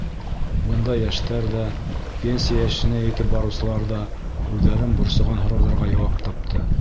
Бында йәштәр ҙә, пенсия йәшенә етеп барыусылар ҙа үҙҙәрен борсоған һорауҙарға яуап тапты.